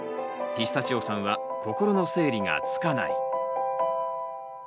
ピスタチオさんは心の整理がつかない。